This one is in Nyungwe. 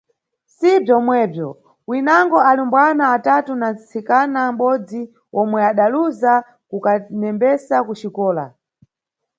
Si bzomwebzo, winango alumbwana atatu na ntsikana mʼbodzi omwe adaluza kukanembesa ku xikola.